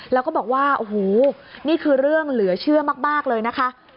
แล้วก็บอกว่าโอ้โหนี่คือเรื่องเหลือเชื่อมากเลยนะคะ